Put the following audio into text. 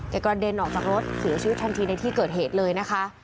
กระเด็นออกจากรถเสียชีวิตทันทีในที่เกิดเหตุเลยนะคะ